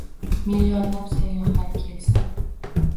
Millionlab sayyohlar kelsa